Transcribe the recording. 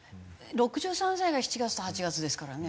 ６３歳が７月と８月ですからね。